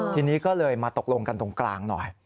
ทีนี้ก็เลยมาตกลงกันตรงกลางหน่อย